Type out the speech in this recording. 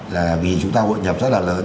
là vì chúng ta hội nhập rất là lớn